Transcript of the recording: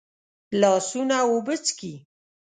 لاسونه اوبه څښي